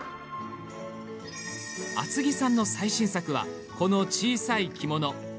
厚木さんの最新作はこの小さい着物。